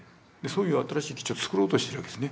そういう新しい基地をつくろうとしてるわけです。